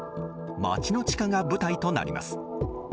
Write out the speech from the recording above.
街の地下が舞台となります。